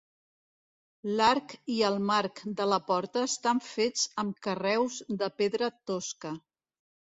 L’arc i el marc de la porta estan fets amb carreus de pedra tosca.